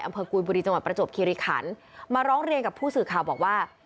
กุยบุรีจังหวัดประจวบคิริขันมาร้องเรียนกับผู้สื่อข่าวบอกว่า